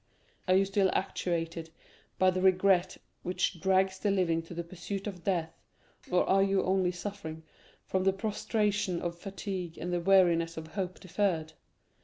Are you still actuated by the regret which drags the living to the pursuit of death; or are you only suffering from the prostration of fatigue and the weariness of hope deferred?